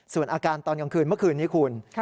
ส่วนอาการตอนกลางคืนเมื่อคืนนี้คุณ